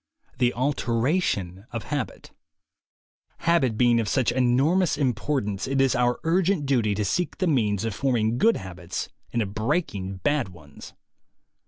THE ALTERATION OF HABIT HABIT being of such enormous importance, it is our urgent duty to seek the means of form ing good habits and of breaking bad ones.